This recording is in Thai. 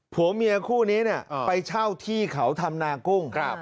ผัวเมียขุนนี้เนี่ยไปเช่าที่เขาทำนากุ้ง